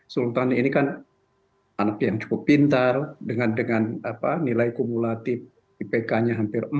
sultan ini kan anak yang cukup pintar dengan nilai kumulatif ipk nya hampir empat